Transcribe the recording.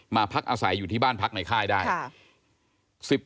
มาพักอาศัยอยู่ที่บ้านพักในค่ายได้